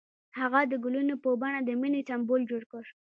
هغه د ګلونه په بڼه د مینې سمبول جوړ کړ.